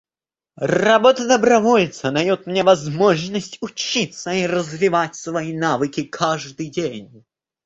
Работа добровольца дает мне возможность учиться и развивать свои навыки каждый день.